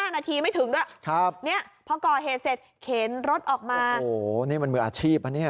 นาทีไม่ถึงด้วยพอก่อเหตุเสร็จเข็นรถออกมาโอ้โหนี่มันมืออาชีพนะเนี่ย